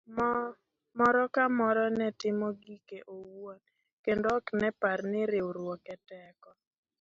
Moro kamoro ne timo gike owuon kendo ok nepar ni riwruok e teko.